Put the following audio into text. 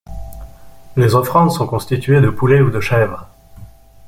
Les offrandes sont constituées de poulet ou de chèvre.